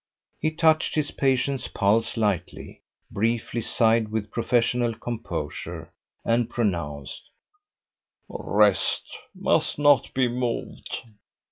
He touched his patient's pulse lightly, briefly sighed with professional composure, and pronounced: "Rest. Must not be moved.